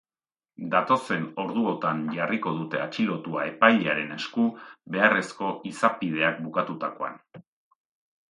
Datozen orduotan jarriko dute atxilotua epailearen esku, beharrezko izapideak bukatutakoan.